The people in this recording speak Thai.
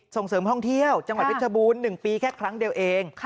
ส่งเสริมท่องเที่ยวจังหวัดเพชรบูรณ์๑ปีแค่ครั้งเดียวเอง